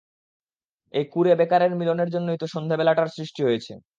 এই কুঁড়ে-বেকারের মিলনের জন্যেই তো সন্ধেবেলাটার সৃষ্টি হয়েছে।